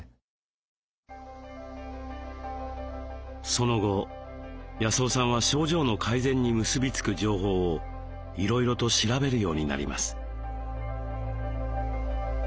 その後康雄さんは症状の改善に結び付く情報をいろいろと調べるようになります。